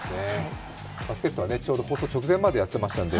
バスケットは放送直前までやってましたんで、